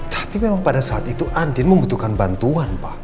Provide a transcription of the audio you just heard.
tapi memang pada saat itu andin membutuhkan bantuan pak